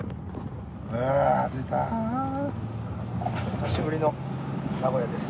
久しぶりの名古屋です。